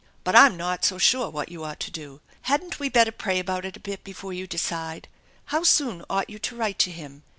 But Fm not so sure what you ought to do. Hadn't we better pray about it a bit before you decide? How soon ought you to write to him